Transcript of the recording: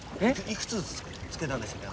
いくつつけたんでしたっけ？